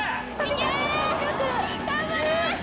頑張れー！